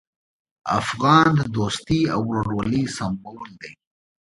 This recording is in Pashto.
افغان د دوستي او ورورولۍ سمبول دی.